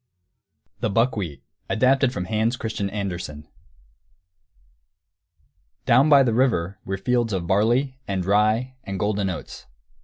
THE BUCKWHEAT [Footnote 1: Adapted from Hans Christian Andersen.] Down by the river were fields of barley and rye and golden oats.